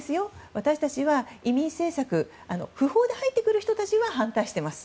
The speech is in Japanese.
私たちは移民政策不法で入ってくる人たちは反対しています。